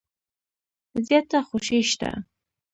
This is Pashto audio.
زیاته خوشي شته .